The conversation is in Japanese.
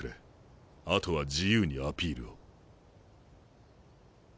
あとは自由にアピールを。